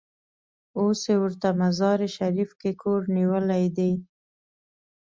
اوس یې ورته مزار شریف کې کور نیولی دی.